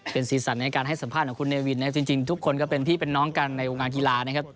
เป็นสีสันในการให้สัมภาษณ์ของคุณเนวินนะครับจริงทุกคนก็เป็นพี่เป็นน้องกันในวงการกีฬานะครับ